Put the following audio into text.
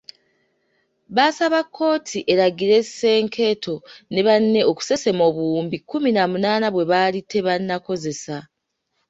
Baasaba kkooti eragire Senkeeto ne banne okusesema obuwumbi kkumi na munaana bwe baali tebannakozesa.